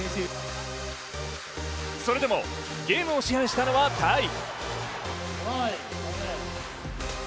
それでもゲームを支配したのはタイ。